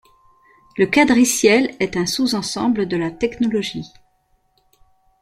Le cadriciel ' est un sous ensemble de la technologie '.